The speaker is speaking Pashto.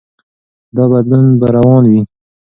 دا بدلون به روان وي.